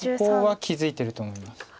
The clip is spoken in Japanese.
そこは気付いてると思います。